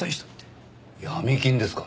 闇金ですか？